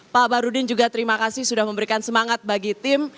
pak barudin juga terima kasih sudah memberikan semangat bagi tim